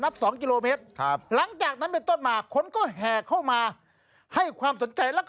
บอกว่าแห่นาคต